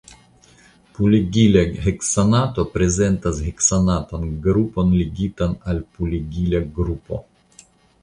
Pulegila heksanato prezentas heksanatan grupon ligitan al pulegila grupo.